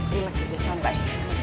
relax sudah sampai